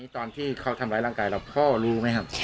ตอนที่เขาทำร้ายร่างกายเราพ่อรู้ไหมครับ